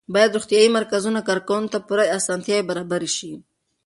باید د روغتیایي مرکزونو کارکوونکو ته پوره اسانتیاوې برابرې شي.